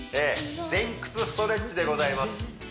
前屈ストレッチでございます